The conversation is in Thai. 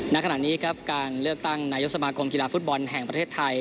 ณขณะนี้ครับการเลือกตั้งนายกสมาคมกีฬาฟุตบอลแห่งประเทศไทย